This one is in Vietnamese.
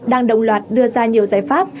đang đồng loạt đưa ra nhiều giải pháp